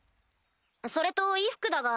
それと衣服だが。